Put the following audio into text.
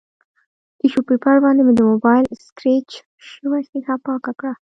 ټیشو پیپر باندې مې د مبایل سکریچ شوې ښیښه پاکه کړه